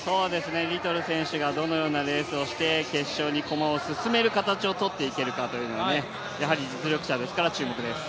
リトル選手がどのようなレースをして決勝に駒を進める形をとっていけるかというのがやはり実力者ですから注目です。